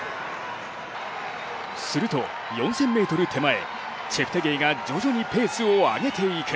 すると、４０００ｍ手前チェプテゲイが徐々にペースを上げていく。